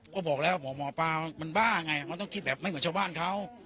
ก็บอกแล้วหมอหมอปลามันบ้าไงมันต้องคิดแบบไม่เหมือนชาวบ้านเขา